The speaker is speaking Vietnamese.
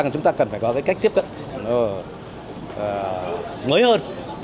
chúng ta cần phải có cái cách tiếp cận mới hơn